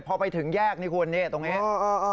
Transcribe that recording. พอไปถึงแยกนี่คุณเนี่ยตรงเนี้ยอ่าอ่าอ่า